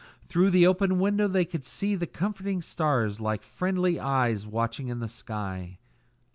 Through the open window they could see the comforting stars like friendly eyes watching in the sky.